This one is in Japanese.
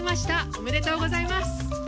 おめでとうございます。